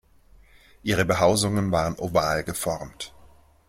Ihre Behausungen waren oval geformt.